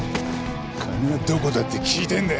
金はどこだって聞いてんだよ。